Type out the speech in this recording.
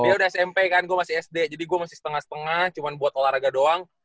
dia udah smp kan gue masih sd jadi gue masih setengah setengah cuma buat olahraga doang